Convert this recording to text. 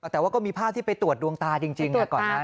แต่ว่าก็มีภาพที่ไปตรวจดวงตาจริงก่อนนั้น